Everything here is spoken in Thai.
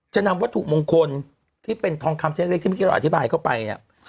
จะนำวัตถุมงคลที่เป็นทองคำเสียงเล็กที่ไม่คิดว่าอธิบายเข้าไป